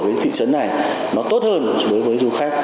để thành lập năm phường mới